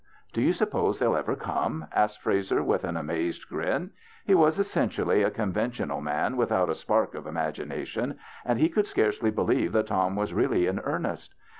''" Do you suppose they'll ever come ?" asked Frazer, with an amazed grin. He was essen tially a conventional man without a spark of imagination, and he could scarcely believe that Tom was really in earnest.